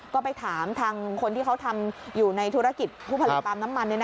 ก็ไปถามทางคนที่เขาทำอยู่ในธุรกิจผู้ผลิตปาล์มน้ำมัน